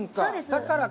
だからか。